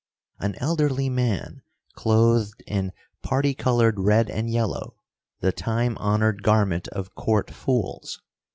An elderly man clothed in parti colored red and yellow, the time honored garment of court fools.